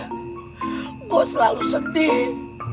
gue selalu sedih